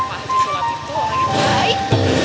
enak banget kak maafin sulap itu orang yang baik